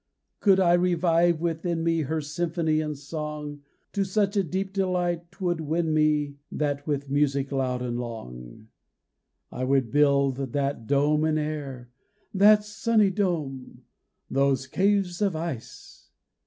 Could I revive within me Her symphony and song, To such a deep delight 'twould win me That with music loud and long, I would build that dome in air, That sunny dome ! Those caves of ice